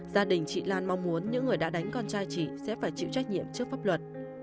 gia đình chị lan mong muốn những người đã đánh con trai chị sẽ phải chịu trách nhiệm trước pháp luật